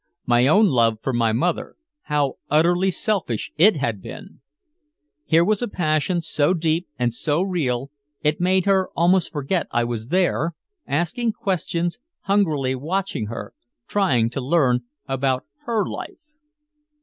My own love for my mother, how utterly selfish it had been. Here was a passion so deep and real it made her almost forget I was there, asking questions, hungrily watching her, trying to learn about her life.